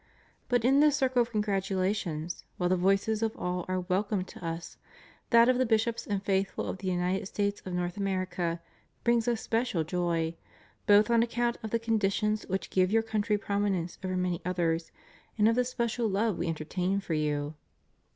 But in this circle of congratulations, while the voices of all are welcome to Us, that of the Bishops and faithful of the United States of North America brings Us special joy, both on account of the conditions which give your country prominence over many others, and of the special love we entertain for you.